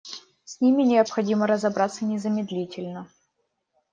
С ними необходимо разобраться незамедлительно.